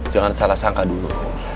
jangan salah sangka dulu